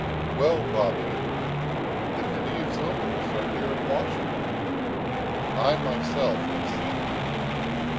" Well, Bobby, the Khedive's opals are here in Washington. I, myself, have seen them.